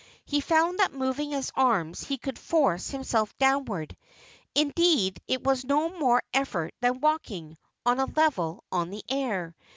He found that by moving his arms he could force himself downward. Indeed, it was no more effort than walking on a level on the air.